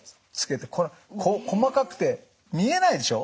細かくて見えないでしょ？